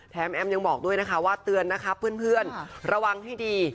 แอมยังบอกด้วยนะคะว่าเตือนนะคะเพื่อนระวังให้ดี